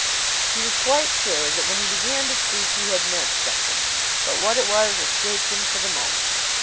He was quite sure that when he began to speak he had meant something, but what it was escaped him for the moment.